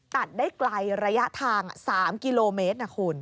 ตัดได้ไกลระยะทาง๓กิโลเมตรนะคุณ